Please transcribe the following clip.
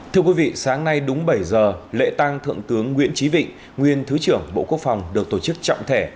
thưa quý vị sáng nay đúng bảy giờ lễ tăng thượng tướng nguyễn trí vịnh nguyên thứ trưởng bộ quốc phòng được tổ chức trọng thể